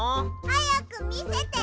はやくみせて。